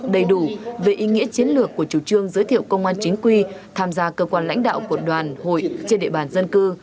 đầy đủ về ý nghĩa chiến lược của chủ trương giới thiệu công an chính quy tham gia cơ quan lãnh đạo của đoàn hội trên địa bàn dân cư